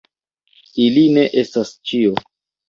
Ili ne estas ĉio.